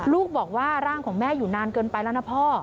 ลูกบอกว่าร่างของแม่อยู่นานเกินไปแล้วนะพ่อ